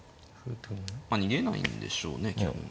まあ逃げないんでしょうね基本。